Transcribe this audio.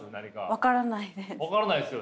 分からないです。